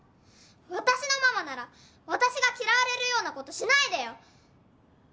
私のママなら私が嫌われるようなことしないでよ！